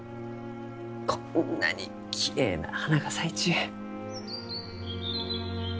こんなにきれいな花が咲いちゅう。